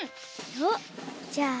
おっじゃあ。